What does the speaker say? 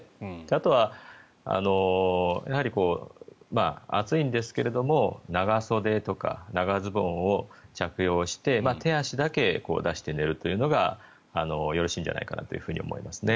あとは暑いんですけれど長袖とか長ズボンを着用して手足だけ出して寝るというのがよろしいんじゃないかなと思いますね。